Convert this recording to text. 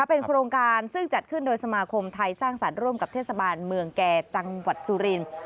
เป็นโครงการซึ่งจัดขึ้นโดยสมาคมไทยสร้างสรรค์ร่วมกับเทศบาลเมืองแก่จังหวัดสุรินทร์